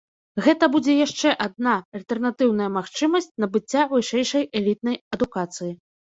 Гэта будзе яшчэ адна альтэрнатыўная магчымасць набыцця вышэйшай элітнай адукацыі.